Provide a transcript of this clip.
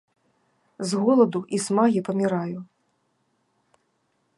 з голаду i смагi памiраю...